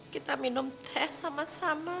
kita minum teh sama sama